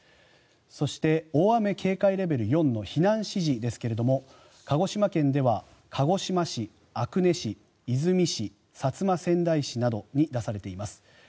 そして、大雨警戒レベル４の避難指示ですが鹿児島県では鹿児島市、阿久根市出水市薩摩川内市などに出されています。